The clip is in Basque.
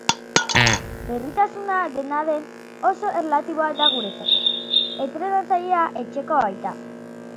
Berritasuna dena den, oso erlatiboa da guretzako, entrenatzailea etxekoa baita.